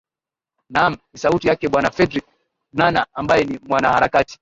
naam ni sauti yake bwana fredrick nana ambae ni mwanaharakati